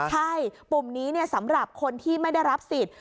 ใช่ปุ่มนี้สำหรับคนที่ไม่ได้รับสิทธิ์